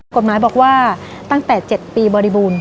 กฎหมายบอกว่าตั้งแต่๗ปีบริบูรณ์